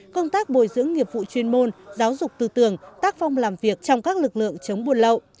công tác bồi dưỡng nghiệp vụ chuyên môn giáo dục tư tưởng tác phong làm việc trong các lực lượng chống buôn lậu